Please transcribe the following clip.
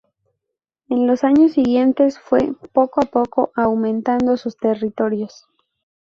En los años siguientes fue, poco a poco, aumentando sus territorios.